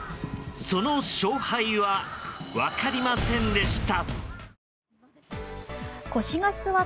その勝敗は分かりませんでした。